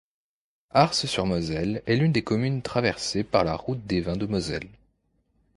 Ars-sur-Moselle est l'une des communes traversées par la Route des vins de Moselle.